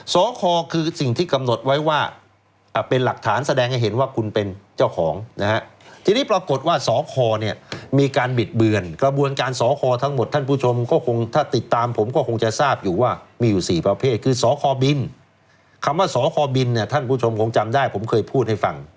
สคคือสิ่งที่กำหนดไว้ว่าเป็นหลักฐานแสดงให้เห็นว่าคุณเป็นเจ้าของนะฮะทีนี้ปรากฏว่าสคเนี่ยมีการบิดเบือนกระบวนการสอคอทั้งหมดท่านผู้ชมก็คงถ้าติดตามผมก็คงจะทราบอยู่ว่ามีอยู่๔ประเภทคือสคบินคำว่าสคบินเนี่ยท่านผู้ชมคงจำได้ผมเคยพูดให้ฟัง